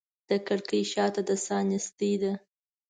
د کړکۍ شاته د ساه نیستي ده